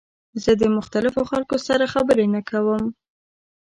زه د مختلفو خلکو سره خبرې نه کوم.